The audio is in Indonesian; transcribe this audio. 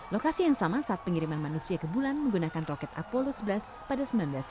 lokasi yang sama saat pengiriman manusia ke bulan menggunakan roket apollo sebelas pada seribu sembilan ratus sembilan puluh